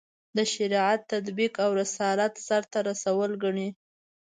د شریعت تطبیق او رسالت سرته رسول ګڼي.